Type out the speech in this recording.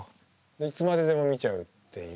いつまででも見ちゃうっていう。